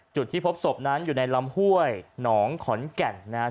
จุดที่พบศพนั้นอยู่ในลำห้วยหนองขอนแก่นนะครับ